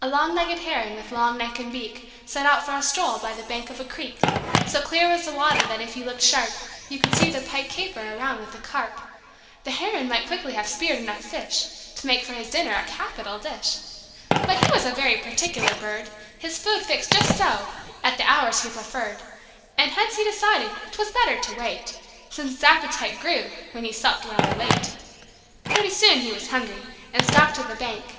A long legged Heron, with long neck and beak, Set out for a stroll by the bank of a creek. So clear was the water that if you looked sharp You could see the pike caper around with the carp. The Heron might quickly have speared enough fish To make for his dinner a capital dish. But he was a very particular bird: His food fixed "just so," at the hours he preferred. And hence he decided 'twas better to wait, Since his appetite grew when he supped rather late. Pretty soon he was hungry, and stalked to the bank.